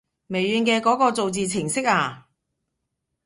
微軟嘅嗰個造字程式啊